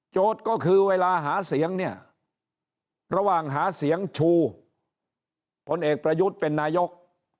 ก็คือเวลาหาเสียงเนี่ยระหว่างหาเสียงชูพลเอกประยุทธ์เป็นนายก